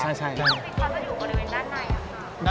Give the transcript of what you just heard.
พี่พริกคัตต์ก็อยู่อันยินด้านใน